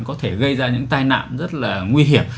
có thể gây ra những tai nạn rất là nguy hiểm